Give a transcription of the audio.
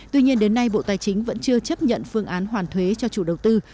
tuy nhiên đến nay bộ tài chính vẫn chưa chấp nhận phương án hoàn thuế cho chủ đầu tư